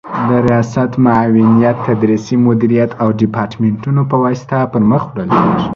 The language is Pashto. د ریاست، معاونیت، تدریسي مدیریت او دیپارتمنتونو په واسطه پر مخ وړل کیږي